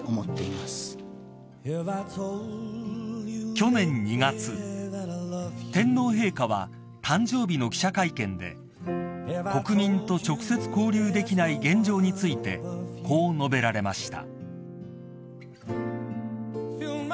［去年２月天皇陛下は誕生日の記者会見で国民と直接交流できない現状についてこう述べられました］